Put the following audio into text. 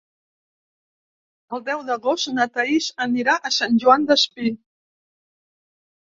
El deu d'agost na Thaís anirà a Sant Joan Despí.